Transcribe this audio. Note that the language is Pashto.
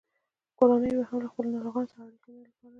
کورنیو به هم له خپلو ناروغانو سره اړیکه نه پاللـه.